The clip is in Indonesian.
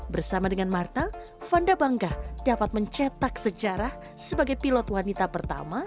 bersama dengan marta fanda bangga dapat mencetak sejarah sebagai pilot wanita pertama